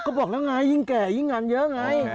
ก็บอกแล้วไงยิ่งแก่ยิ่งงานเยอะไง